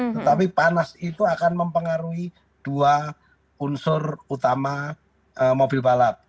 tetapi panas itu akan mempengaruhi dua unsur utama mobil balap